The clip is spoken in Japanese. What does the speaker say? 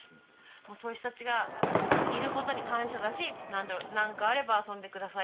そういう人たちがいる事に感謝だしなんだろうなんかあれば遊んでください